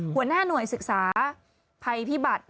หัวหน้าหน่วยศึกษาภัยพิบัติ